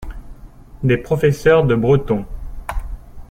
Des professeurs de breton.